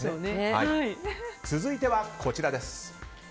続いてはこちらです。